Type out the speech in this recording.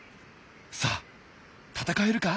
さあ戦えるか？